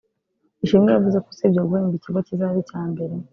Ishimwe yavuze ko usibye guhemba ikigo kizaba icya mbere